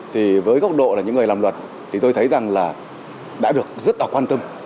thì với góc độ là những người làm luật thì tôi thấy rằng là đã được rất là quan tâm